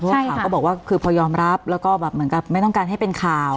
เพราะว่าข่าวก็บอกว่าคือพอยอมรับแล้วก็แบบเหมือนกับไม่ต้องการให้เป็นข่าว